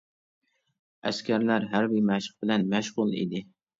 ئەسكەرلەر ھەربىي مەشىق بىلەن مەشغۇل ئىدى.